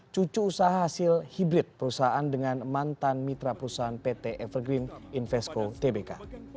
cucu usaha hasil hibrit perusahaan dengan mantan mitra perusahaan pt evergreen invesco tbk